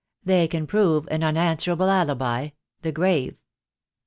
They can prove an unanswerable alibi — the grave."